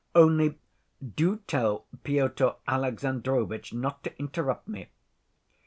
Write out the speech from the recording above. Only do tell Pyotr Alexandrovitch not to interrupt me.